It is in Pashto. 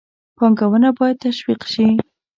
پانګونه باید تشویق شي.